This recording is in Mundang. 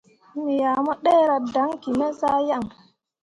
Me ah mu ɗerah daŋki me zah yan.